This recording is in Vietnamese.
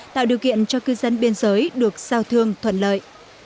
tạo điều kiện cho cư dân biên giới được giao thương thuận lợi